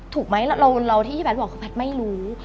ถูกไหมเราที่แพทย์บอกคือแพทย์ไม่รู้